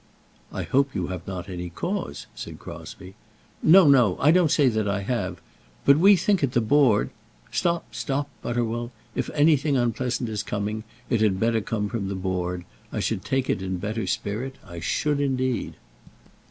"I hope you have not any cause," said Crosbie. "No, no; I don't say that I have. But we think at the Board " "Stop, stop, Butterwell. If anything unpleasant is coming, it had better come from the Board. I should take it in better spirit; I should, indeed."